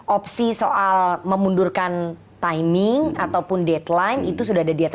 opsi soal memundurkan timing ataupun deadline itu sudah ada di atas